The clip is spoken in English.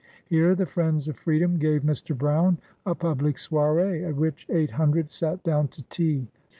Here the friends of freedom gave Mr. Brown a public soiree, at which eight hundred sat down to tea.